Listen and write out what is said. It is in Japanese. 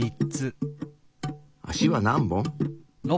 足は何本？